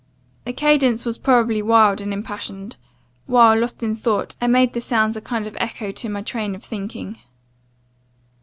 The cadence was probably wild and impassioned, while, lost in thought, I made the sounds a kind of echo to my train of thinking.